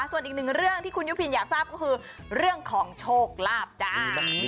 ส่วนอีกหนึ่งเรื่องที่คุณยุพินอยากทราบก็คือเรื่องของโชคลาภจ้า